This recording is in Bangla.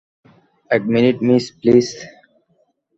এক মিনিট, মিস, প্লিজ।